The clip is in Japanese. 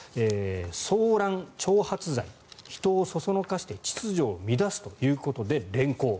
騒乱挑発罪人をそそのかして秩序を乱すということで連行。